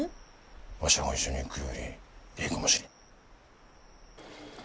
わしらが一緒に行くよりええかもしれん。